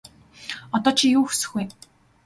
Одоо чи юу хүсэх вэ?